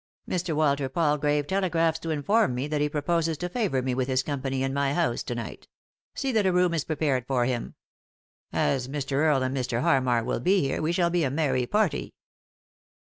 " Mr. Walter Palgrave telegraphs to inform me that he proposes to favour me with his company in my house to night. See that a room is prepared for him. As Mr. Earle and Mr. Harmar will be here, we shall be a merry party."